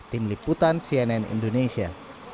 tim liputan cnn indonesia